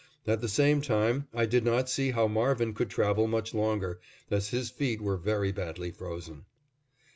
At the same time, I did not see how Marvin could travel much longer, as his feet were very badly frozen.